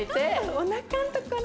おなかのところ？